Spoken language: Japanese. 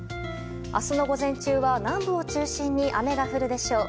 明日の午前中は南部を中心に雨が降るでしょう。